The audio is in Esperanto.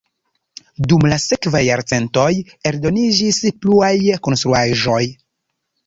Dum la sekvaj jarcentoj aldoniĝis pluaj konstruaĵoj.